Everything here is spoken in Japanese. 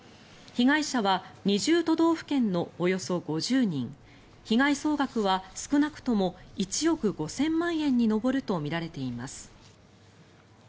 被害者は２０都道府県のおよそ５０人被害総額は少なくとも１億５０００万円に上るとみられています。